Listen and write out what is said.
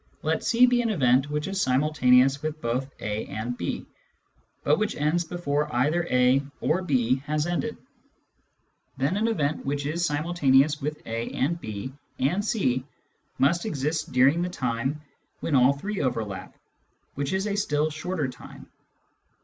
Let C be an event which is simultaneous with both A and B, but which ends before either A or B has ended. Then an event which is simul taneous with A and B and C must exist during the time . when all three overlap, which is a still shorter jj time.